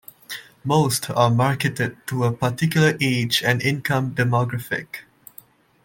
Most are marketed to a particular age and income demographic.